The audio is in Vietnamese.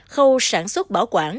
khâu sản xuất bảo quản